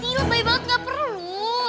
lu baik banget gak perlu